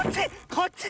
こっちね！